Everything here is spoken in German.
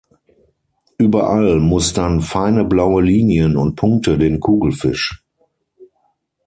Überall mustern feine blaue Linien und Punkte den Kugelfisch.